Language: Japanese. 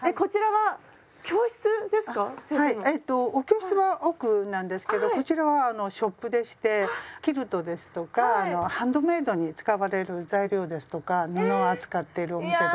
はいお教室は奥なんですけどこちらはあのショップでしてキルトですとかハンドメイドに使われる材料ですとか布を扱っているお店です。